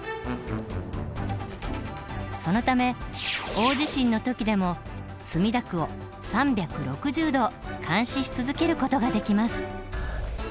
そのため大地震の時でも墨田区を３６０度監視し続けることができます。